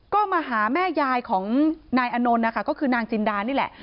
ก็มาหาแม่ยายของนายอนนท์นะคะก็คือนางจินดานี่แหละ